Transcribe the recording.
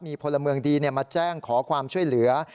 มีพลเมืองดีมาแจ้งขอความช่วยเหลือ